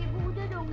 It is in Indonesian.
ibu udah dong